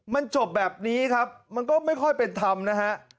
มันจบแบบนี้ครับมันก็ไม่ค่อยเป็นธรรมนะฮะ